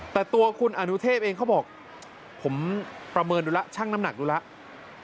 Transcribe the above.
แต่ตัวคุณอนุเทพเองเขาบอกผมประเมินดูแล้วช่างน้ำหนักดูแล้ว